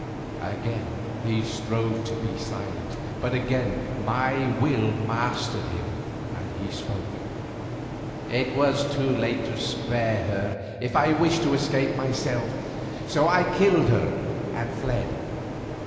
Again he strove to be silent, but again my will mastered him and he spoke. "It was too late to spare her if I wished to escape myself, so I killed her and fled.